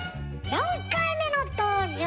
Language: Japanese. ４回目の登場